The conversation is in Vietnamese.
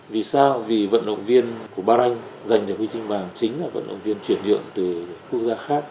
vì sao vì vận động viên của baranh giành được huy chương bạc chính là vận động viên truyền thượng từ quốc gia khác